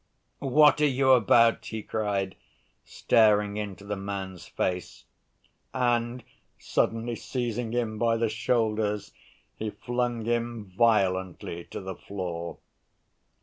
"What are you about?" he cried, staring into the man's face, and suddenly seizing him by the shoulders, he flung him violently to the floor.